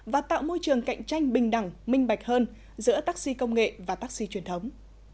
và tạo môi trường cạnh tranh bình đẳng minh bạch hơn giữa taxi công nghệ và taxi truyền thống